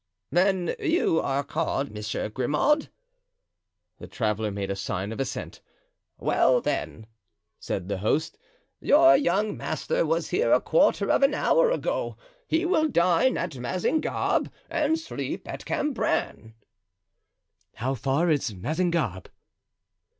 "Then you are called Monsieur Grimaud?" The traveler made a sign of assent. "Well, then," said the host, "your young master was here a quarter of an hour ago; he will dine at Mazingarbe and sleep at Cambrin." "How far is Mazingarbe?"